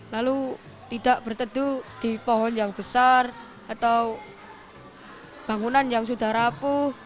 lalu tidak berteduh di pohon yang besar atau bangunan yang sudah rapuh